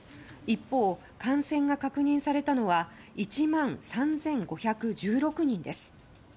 一方、感染が確認されたのは１万３５１６人です。